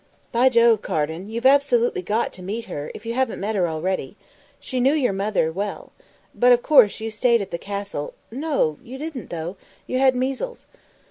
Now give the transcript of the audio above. By Jove, Carden, you've absolutely got to meet her, if you haven't met her already. She knew your mother well. But of course you stayed at the Castle no! you didn't though; you had measles.